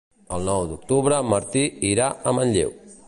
El nou d'octubre en Martí irà a Manlleu.